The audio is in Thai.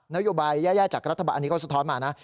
โยบายแย่จากรัฐบาลอันนี้เขาสะท้อนมานะ